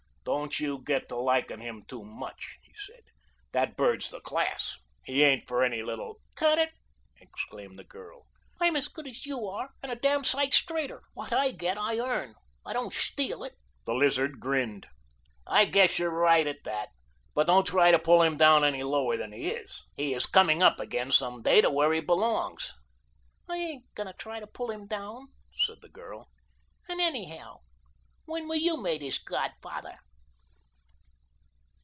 "Don't you get to liking him too much," he said. "That bird's the class. He ain't for any little " "Cut it!" exclaimed the girl. "I'm as good as you are and a damn straighter. What I get I earn, and I don't steal it." The Lizard grinned. "I guess you're right at that; but don't try to pull him down any lower than he is. He is coming up again some day to where he belongs." "I ain't going to try to pull him down," said the girl. "And anyhow, when were you made his godfather?"